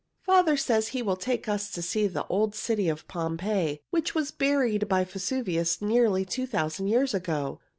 "Father says he will take us to see the old city of Pompeii, which was buried by Vesuvius nearly two thousand years ago.